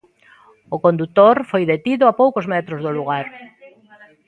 O condutor foi detido a poucos metros do lugar.